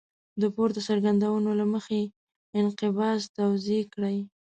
د پورته څرګندونو له مخې انقباض توضیح کړئ.